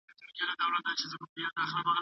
کینز د پانګوني پر عایداتي اړخ ټینګار کاوه.